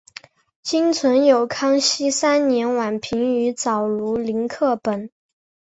今存有康熙三年宛平于藻庐陵刻本。